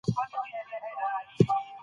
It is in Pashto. د ناول کيسه په داسې جملو پای ته رسېږي